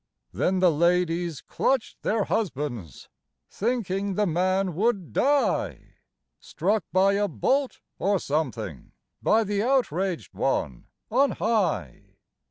Then the ladies clutched their husbands Thinking the man would die. Struck by a bolt, or something, By the outraged One on high.